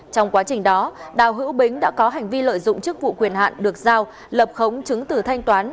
trong quá trình đó đào hữu bính đã có hành vi lợi dụng chức vụ quyền hạn được giao lập khống chứng từ thanh toán